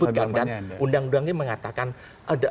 tapi di pasal tujuh ada